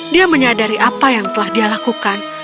dia menyadari apa yang telah dia lakukan